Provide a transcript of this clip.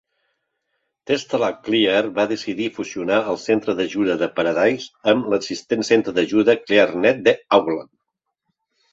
TelstraClear va decidir fusionar el centre d'ajuda de Paradise amb l'existent centre d'ajuda Clearnet d'Auckland.